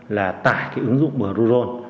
là tải cái ứng dụng bruron